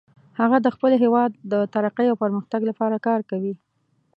هغه د خپل هیواد د ترقۍ او پرمختګ لپاره کار کوي